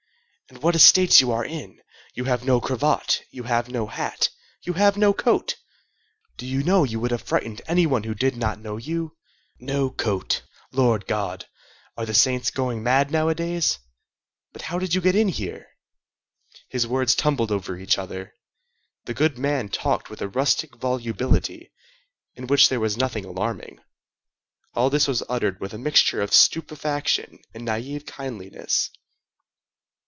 And what a state you are in! You have no cravat; you have no hat; you have no coat! Do you know, you would have frightened any one who did not know you? No coat! Lord God! Are the saints going mad nowadays? But how did you get in here?" His words tumbled over each other. The goodman talked with a rustic volubility, in which there was nothing alarming. All this was uttered with a mixture of stupefaction and naïve kindliness.